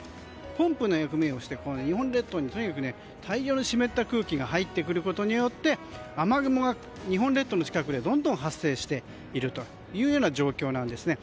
ポンプの役目をして日本列島にとにかく大量の湿った空気が入ってくることによって雨雲が日本列島の近くでどんどん発生しているという状況なんですね。